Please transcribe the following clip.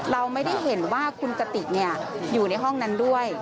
เราไม่ได้เห็นว่าคุณกติกอยู่ในห้องนั้นด้วย